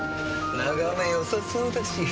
眺めよさそうだし。